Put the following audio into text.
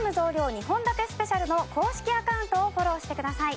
２本立てスペシャルの公式アカウントをフォローしてください。